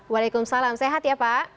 waalaikumsalam sehat ya pak